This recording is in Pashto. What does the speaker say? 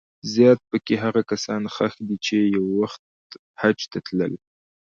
زیات په کې هغه کسان ښخ دي چې یو وخت حج ته تلل.